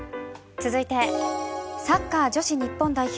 続いて、サッカー女子日本代表